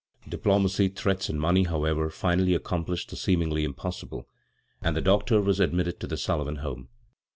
Diplomacy, threats, and money, however, finally accomplished the seemingly impossible, and the doctor was ad mitted to the Sullivan home.